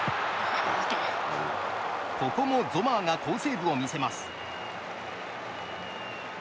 ここもゾマーが好セーブを見せます。